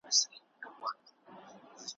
په خپلو کړو به ګاونډي ویاړی ,